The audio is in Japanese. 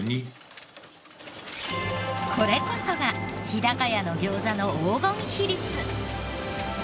これこそが日高屋の餃子の黄金比率。